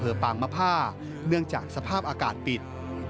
เพื่อปางมะพ่าเนื่องจากสภาพอากาศปิด